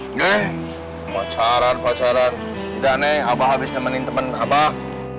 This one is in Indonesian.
eh pacaran pacaran tidak neng abah habis nemenin temen abah